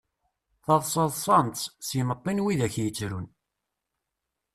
Taḍsa ḍsan-tt, s yimeṭṭi n widak yettrun.